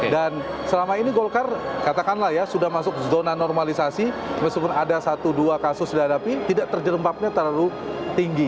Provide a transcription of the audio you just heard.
dan selama ini golkar katakanlah ya sudah masuk zona normalisasi meskipun ada satu dua kasus dihadapi tidak terjerembaknya terlalu tinggi